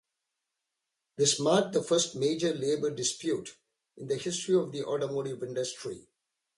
This marked the first major labor dispute in the history of the automotive industry.